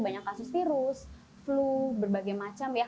banyak kasus virus flu berbagai macam ya